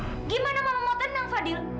bagaimana mama mau tenang fadil